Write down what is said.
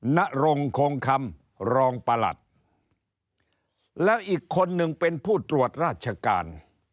นรงคงคำรองประหลัดแล้วอีกคนนึงเป็นผู้ตรวจราชการ